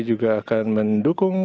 juga akan mendukung